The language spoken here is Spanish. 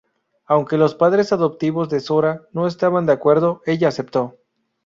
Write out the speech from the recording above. Aunque los padres adoptivos de Sora no estaban de acuerdo, ella aceptó.